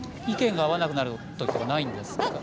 意見が合わなくなる時とかないんですか？